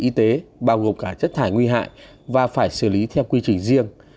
chất thải y tế bao gồm cả chất thải nguy hại và phải xử lý theo quy trình riêng